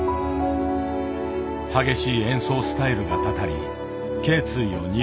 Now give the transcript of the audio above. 激しい演奏スタイルがたたり頸椎を２度手術。